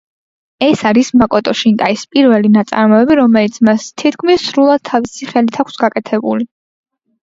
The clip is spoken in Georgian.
ეს არის მაკოტო შინკაის პირველი ნაწარმოები, რომელიც მას თითქმის სრულად თავისი ხელით აქვს გაკეთებული.